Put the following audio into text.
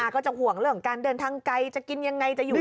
ก็จะห่วงเรื่องการเดินทางไกลจะกินยังไงจะอยู่